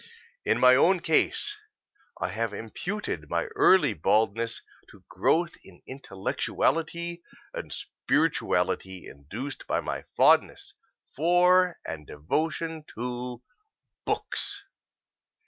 In my own case I have imputed my early baldness to growth in intellectuality and spirituality induced by my fondness for and devotion to books.